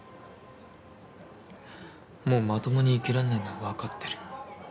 もうまともに生きらんねぇのはわかってる。